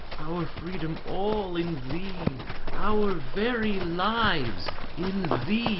Our freedom all in thee! our very lives in thee!